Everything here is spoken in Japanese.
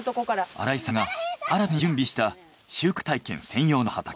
新井さんが新たに準備した収穫体験専用の畑。